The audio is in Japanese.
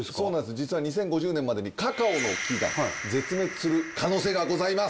実は２０５０年までにカカオの木が絶滅する可能性がございます。